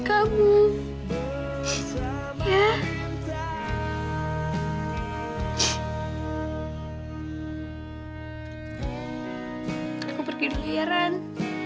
kawan kau akan dilindungi rani